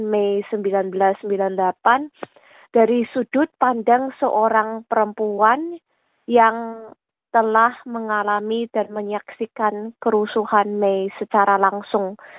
mei seribu sembilan ratus sembilan puluh delapan dari sudut pandang seorang perempuan yang telah mengalami dan menyaksikan kerusuhan mei secara langsung